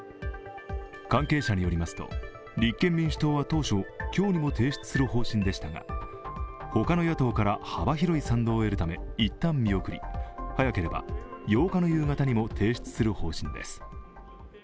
関係者によりますと、立憲民主党は当初、今日にも提出する方針でしたが他の野党から幅広い賛同を得るため、いったん見送り早ければ８日の夕方にも提出する方針です。